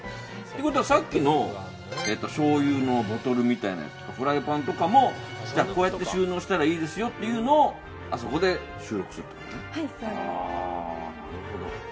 ということはさっきのしょうゆのボトルみたいなやつとフライパンとかもこうやって収納したらいいですよっていうのをあそこで収録するってことね。